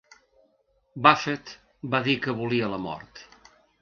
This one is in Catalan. Buffet va dir que volia la mort.